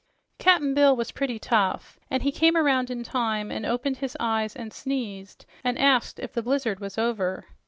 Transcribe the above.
Cap'n Bill was pretty tough, and he came around, in time, and opened his eyes and sneezed and asked if the blizzard was over.